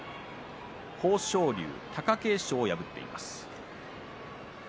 豊昇龍、貴景勝を破っています。